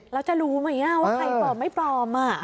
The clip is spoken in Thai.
แล้วจะรู้ไหมว่าใครปลอมไม่ปลอม